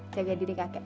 jaga diri kakek